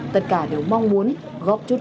tất cả đều mong muốn góp chút